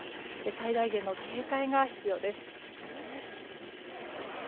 最大限の警戒が必要です。